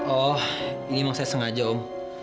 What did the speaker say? oh ini memang saya sengaja om